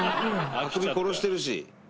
あくび殺してるし。